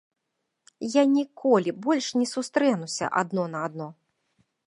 Я ніколі больш не сустрэнуся адно на адно.